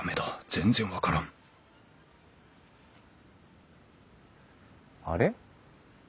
全然分からんあれ？